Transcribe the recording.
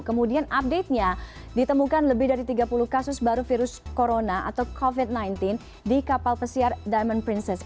kemudian update nya ditemukan lebih dari tiga puluh kasus baru virus corona atau covid sembilan belas di kapal pesiar diamond princess